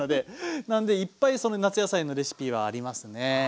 なんでいっぱいその夏野菜のレシピはありますね。